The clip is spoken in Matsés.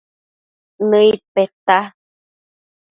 Nëid peta